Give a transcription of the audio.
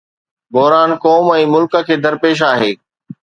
بحران قوم ۽ ملڪ کي درپيش آهي.